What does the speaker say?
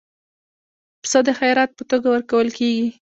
پسه د خیرات په توګه ورکول کېږي.